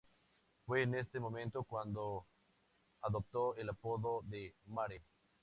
Fue en este momento cuando adopta el apodo de "Mare".